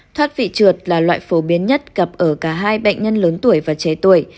thoát vị trượt là loại phổ biến nhất gặp ở cả hai bệnh nhân lớn tuổi và trẻ tuổi